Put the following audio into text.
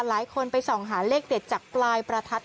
ไปส่องหาเลขเด็ดจากปลายประทัด